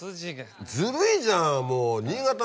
ずるいじゃんもう。